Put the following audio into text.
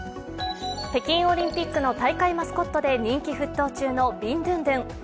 北京オリンピックの大会マスコットで人気沸騰中のビンドゥンドゥン。